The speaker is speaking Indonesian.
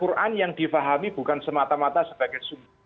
artinya quran yang difahami bukan semata mata sebagai sumber moral etik